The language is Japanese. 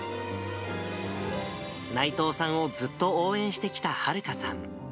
内藤さんをずっと応援してきたはるかさん。